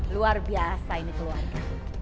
luar biasa ini keluarga